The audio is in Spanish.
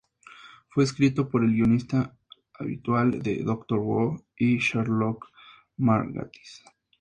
Fue escrito por el guionista habitual de "Doctor Who" y "Sherlock" Mark Gatiss.